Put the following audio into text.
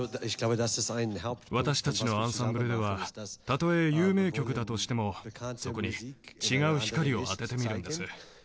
私たちのアンサンブルではたとえ有名曲だとしてもそこに違う光を当ててみるんです。